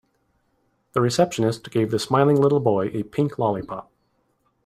The receptionist gave the smiling little boy a pink lollipop.